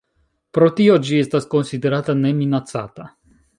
Pro tio ĝi estas konsiderata Ne Minacata.